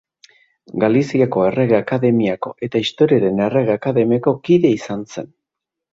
Galiziako Errege Akademiako eta Historiaren Errege Akademiako kide izan zen.